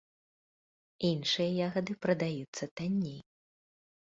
Іншыя ягады прадаюцца танней.